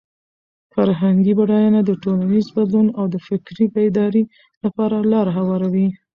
فرهنګي بډاینه د ټولنیز بدلون او د فکري بیدارۍ لپاره لاره هواروي.